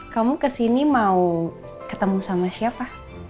kamu kesini mau ketemu sama siapa